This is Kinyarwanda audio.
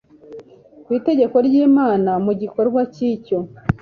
ku itegeko ry’Imana mu gikorwa nk’icyo